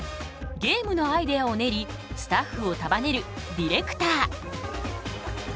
ゲームのアイデアを練りスタッフを束ねるディレクター。